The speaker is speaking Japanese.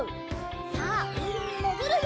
さあうみにもぐるよ！